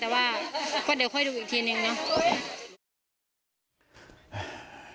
แต่ว่าก็เดี๋ยวค่อยดูอีกทีนึงเนาะ